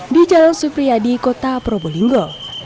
di jalan supriyadi kota probolinggo